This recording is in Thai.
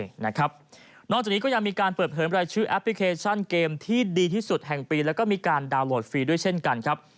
นอกจากนี้ก็ยังมีการเปิดเผยรายชื่อแอปพลิเคชันเกมที่ดีที่สุดแห่งปีแล้วก็มีการดาวน์โหลดฟรีด้วยเช่นกันครับ